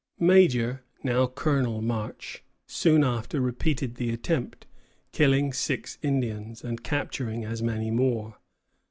Major, now Colonel, March soon after repeated the attempt, killing six Indians, and capturing as many more.